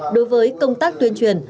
đối với công tác tuyên truyền